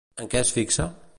En què es fixa?